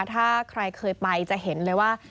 ถ้าใครเคยไปจะเห็นเลยว่า